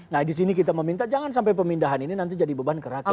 nah di sini kita meminta jangan sampai pemindahan ini nanti jadi beban ke rakyat